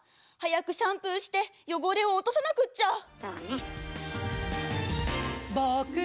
早くシャンプーして汚れを落とさなくっちゃ！